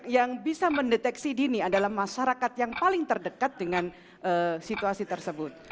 yang bisa mendeteksi dini adalah masyarakat yang paling terdekat dengan situasi tersebut